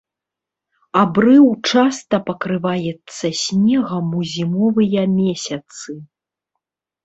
Абрыў часта пакрываецца снегам ў зімовыя месяцы.